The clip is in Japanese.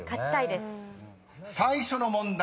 ［最初の問題